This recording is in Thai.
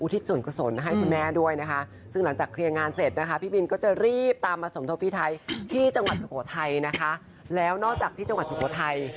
ที่จังหวัดสุโขทัยนะคะแล้วนอกจากที่จังหวัดสุโขทัย